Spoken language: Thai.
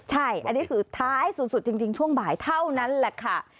ใช่อันนี้คือท้ายสุดจริงช่วงบ่ายเท่านั้นแหละค่ะ